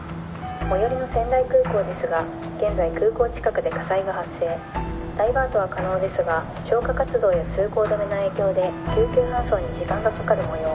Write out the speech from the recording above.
「最寄りの仙台空港ですが現在空港近くで火災が発生」「ダイバートは可能ですが消火活動や通行止めの影響で救急搬送に時間がかかる模様」